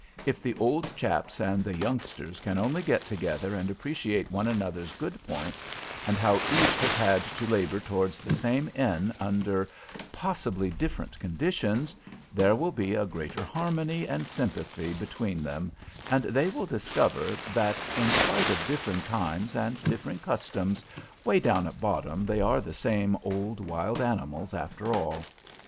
If the old chaps and the youngsters can only get together and appreciate one another's good points, and how each has had to labor towards the same end under possibly different conditions, there will be a greater harmony and sympathy between them, and they will discover that, in spite of differing times and differing customs, 'way down at bottom they are the same old wild animals, after all.